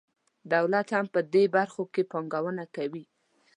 دولت هم په داسې برخو کې پانګونه کوي.